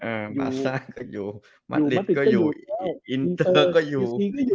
โฮนี่มาซาร์ก็อยู่มันดิกก็อยู่อินเตอร์ก็อยู่